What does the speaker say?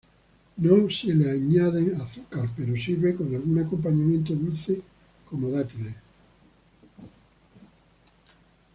No se le añade azúcar, pero sirve con algún acompañamiento dulce, como dátiles.